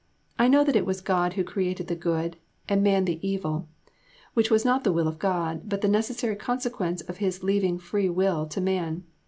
I know that it was God who created the good, and man the evil, which was not the will of God, but the necessary consequence of His leaving free will to man.